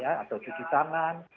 atau cuci tangan